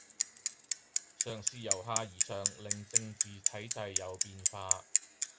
嘗試由下而上令政治體制有變化